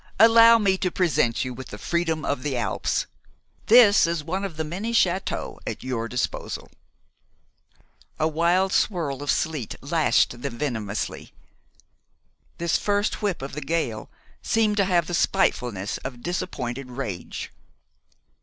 Allow me to present you with the freedom of the Alps. This is one of the many châteaux at your disposal." A wild swirl of sleet lashed them venomously. This first whip of the gale seemed to have the spitefulness of disappointed rage.